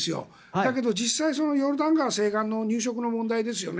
だけど、実際、ヨルダン川西岸の入植の問題ですよね。